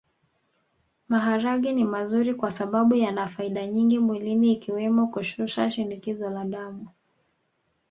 Maharage ni mazuri kwasababu yana faida nyingi mwilini ikiwemo kushusha shinikizo la damu